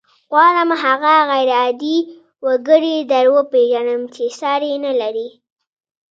غواړم هغه غير عادي وګړی در وپېژنم چې ساری نه لري.